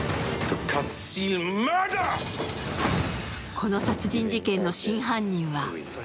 この殺人事件の真犯人は？